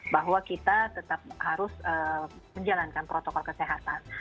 bahwa kita tetap harus menjalankan protokol kesehatan